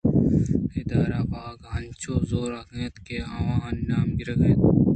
ادارہ ءُواک انچو زوراک اَنت کہ آوانی نام گرگ نہ بیت